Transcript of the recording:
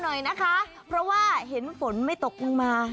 หน่อยนะคะเพราะว่าเห็นฝนไม่ตกลงมา